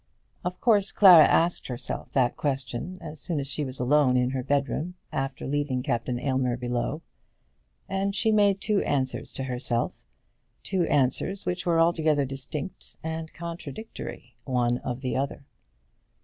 Of course Clara asked herself that question as soon as she was alone in her bedroom, after leaving Captain Aylmer below. And she made two answers to herself two answers which were altogether distinct and contradictory one of the other.